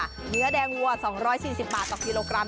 เนื้อแดงวัว๒๔๐บาทต่อกิโลกรัม